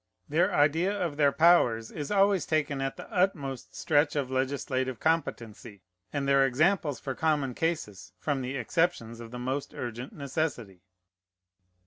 Their idea of their powers is always taken at the utmost stretch of legislative competency, and their examples for common cases from the exceptions of the most urgent necessity.